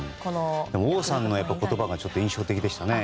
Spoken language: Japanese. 王さんの言葉が印象的でしたね。